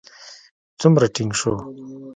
څومره ټينګ شو.